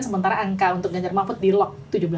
sementara angka untuk ganjar mahfud di lock tujuh belas